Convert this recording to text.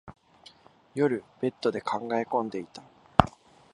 夜、ベッドで考え込んでいた。